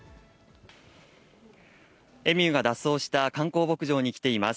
エミューが脱走した観光牧場に来ています。